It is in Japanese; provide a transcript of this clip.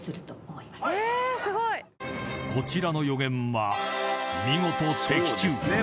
［こちらの予言は見事］